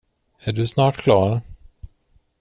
Är du snart klar?